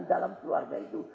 dalam keluarga itu